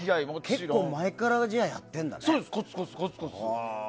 結構前からやってるんだね。